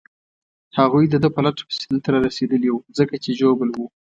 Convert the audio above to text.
هغوی د ده په لټه پسې دلته رارسېدلي وو، ځکه چې ژوبل وو.